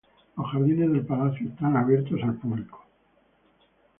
Los jardines del palacio están abiertos al público.